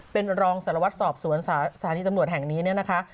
เป็นรองศรวรรษสอบสุวรรณสถานีตำรวจแห่งนี้นะคะ